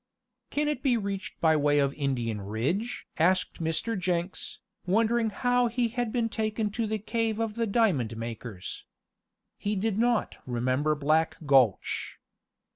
"Can it be reached by way of Indian Ridge?" asked Mr. Jenks, wondering how he had been taken to the cave of the diamond makers. He did not remember Black Gulch.